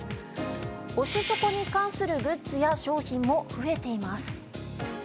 推しチョコに関するグッズや商品も増えています。